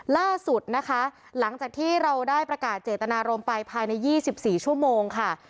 ล่าสุดนะคะหลังจากที่เราได้ประกาศเจตนารมณ์ไปภายใน๒๔ชั่วโมงค่ะ